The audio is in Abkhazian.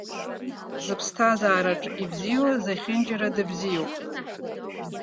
Зыԥсҭазаараҿ ибзиоу зехьынџьара дыбзиоуп.